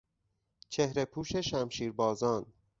چهرهپوش شمشیربازان